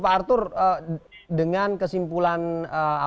pak arthur dengan kesimpulan kasus ini sementara dua